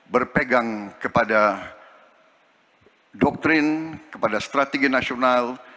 berpegang kepada doktrin kepada strategi nasional